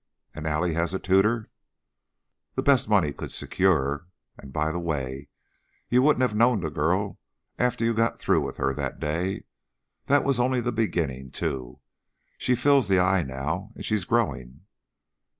"And Allie has a tutor!" "The best money could secure. And, by the way, you wouldn't have known the girl after you got through with her that day. That was only the beginning, too. She fills the eye now, and she's growing."